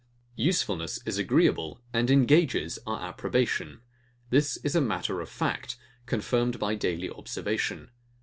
Usefulness is agreeable, and engages our approbation. This is a matter of fact, confirmed by daily observation.